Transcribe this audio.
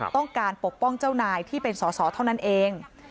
ปกป้องเจ้านายที่เป็นสอสอเท่านั้นเอง